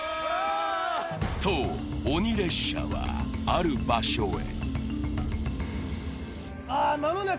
と、鬼列車はある場所へ。